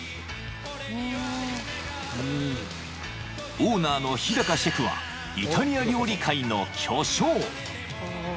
［オーナーの日シェフはイタリア料理界の巨匠］